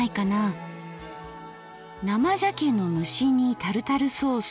「生鮭の蒸し煮タルタルソース。